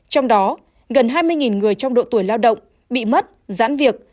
trong đó gần hai mươi người trong độ tuổi lao động bị mất giãn việc